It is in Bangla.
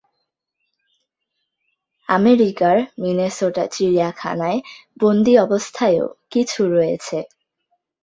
আমেরিকার মিনেসোটা চিড়িয়াখানায় বন্দি অবস্থায়ও কিছু রয়েছে।